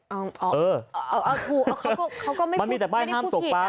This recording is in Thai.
เออเออเออเออเขาก็ไม่ได้พูดผิดอ่ะ